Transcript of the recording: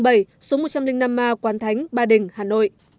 ninh nam ma quán thánh ba đình hà nội